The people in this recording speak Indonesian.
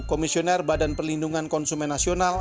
komisioner badan perlindungan konsumen nasional